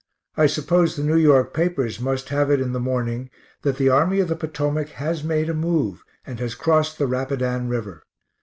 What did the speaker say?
I suppose the New York papers must have it in this morning that the Army of the Potomac has made a move, and has crossed the Rapidan river.